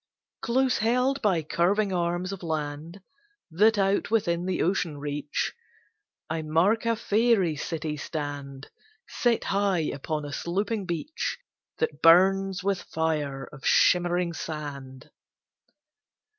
Close held by curving arms of land That out within the ocean reach, I mark a faery city stand, Set high upon a sloping beach That burns with fire of shimmering sand.